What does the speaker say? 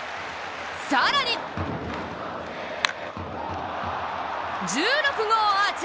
更に１６号アーチ！